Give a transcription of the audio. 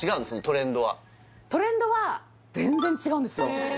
トレンドはトレンドは全然違うんですよ